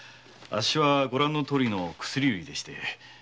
ご覧のとおりの薬売りでして。